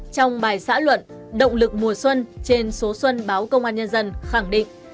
trong bài xã luận động lực mùa xuân trên số xuân báo công an nhân dân khẳng định